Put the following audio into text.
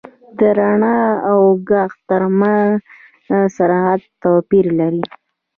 • د رڼا او ږغ تر منځ سرعت توپیر لري.